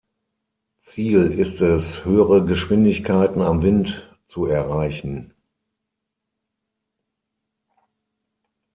Ziel ist es, höhere Geschwindigkeiten am Wind zu erreichen.